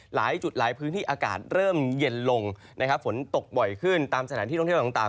หลายจุดหลายพื้นที่อากาศเริ่มเย็นลงนะครับฝนตกบ่อยขึ้นตามสถานที่ท่องเที่ยวต่าง